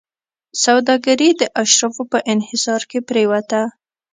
سوداګري د اشرافو په انحصار کې پرېوته.